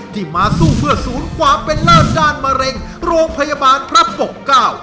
ที่มาสู้เพื่อศูนย์ความเป็นเลิศด้านมะเร็งโรงพยาบาลพระปกเก้า